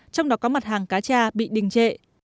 trong đó có mặt hàng cá cha bị đình trệ